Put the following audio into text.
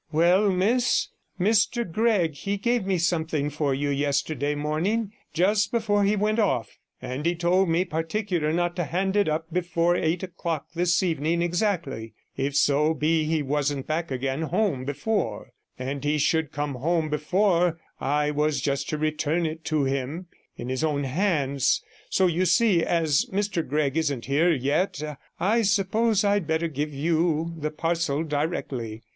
'Well, miss, Mr Gregg he gave me something for you yesterday morning, just before he went off, and he told me particular not to hand it up before eight o'clock this evening exactly, if so be as he wasn't back again home before, and if he should come home before I was just to return it to him in his own hands. So, you see, as Mr Gregg isn't here yet, I suppose I'd better give you the parcel directly.'